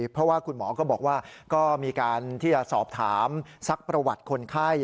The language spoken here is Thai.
เพราะว่าคุณหมอก็บอกว่าก็มีการที่จะสอบถามซักประวัติคนไข้